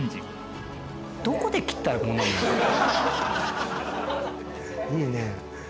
どこで切ったらこうなるの？いいね。